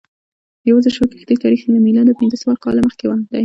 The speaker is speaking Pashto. یوازې شل کښتۍ تاریخ یې له میلاده پنځه سوه کاله مخکې دی.